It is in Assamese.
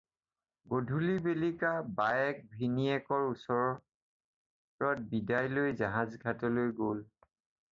গধুলি বেলিকা বায়েক-ভিনীহিয়েকৰ ওচৰত বিদায় লৈ জাহাজ ঘাটলৈ গ'ল।